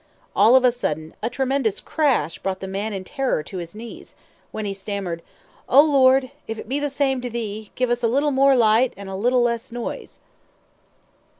All of a sudden, a tremendous crash brought the man in terror to his knees, when he stammered: "'Oh, Lord! if it be the same to Thee, give us a little more light and a little less noise!'"